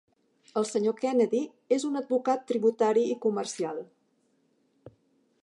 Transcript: El senyor Kennedy és un advocat tributari i comercial.